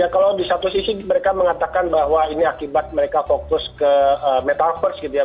kalau di satu sisi mereka mengatakan bahwa ini akibat mereka fokus ke metaverse gitu ya